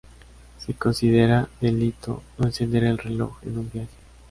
Se considera delito no encender el reloj en un viaje.